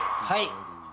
はい。